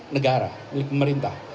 negara milik pemerintah